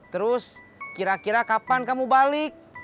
terus kira kira kapan kamu balik